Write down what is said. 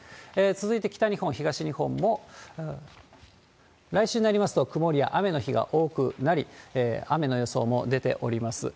続いて北日本、東日本も、来週になりますと、曇りや雨の日が多くなり、雨の予想も出ております。